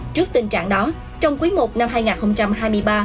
trước tình trạng đó trong quý i năm hai nghìn hai mươi ba